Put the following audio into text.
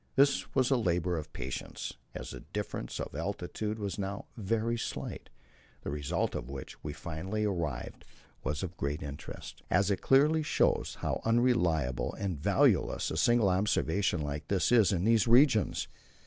This was a labour of patience, as the difference of altitude was now very slight. The result at which we finally arrived was of great interest, as it clearly shows how unreliable and valueless a single observation like this is in these regions.